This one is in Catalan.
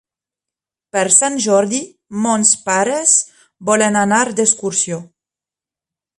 Per Sant Jordi mons pares volen anar d'excursió.